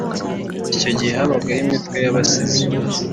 Icyo gihe habagaho imitwe y’abasizi.